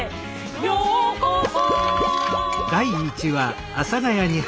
「ようこそ」